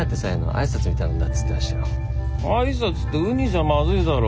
挨拶ってウニじゃマズいだろ。